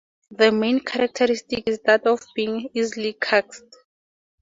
The main characteristic is that of being easily karst.